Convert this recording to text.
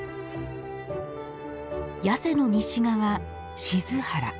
八瀬の西側、静原。